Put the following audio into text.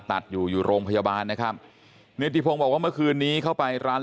ตัดอยู่อยู่โรงพยาบาลนะครับนิติพงศ์บอกว่าเมื่อคืนนี้เข้าไปร้าน